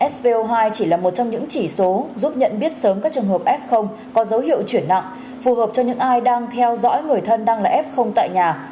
so hai chỉ là một trong những chỉ số giúp nhận biết sớm các trường hợp f có dấu hiệu chuyển nặng phù hợp cho những ai đang theo dõi người thân đang là f tại nhà